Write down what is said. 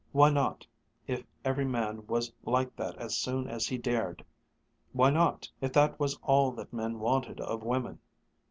Why not, if every man was like that as soon as he dared? Why not, if that was all that men wanted of women?